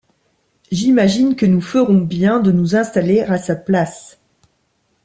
J’imagine que nous ferons bien de nous installer à sa place.